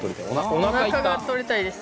おなかが撮りたいです。